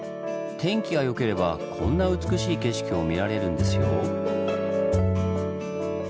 天気が良ければこんな美しい景色も見られるんですよ。